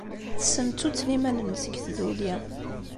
Tessemttuttel iman-nnes deg tduli.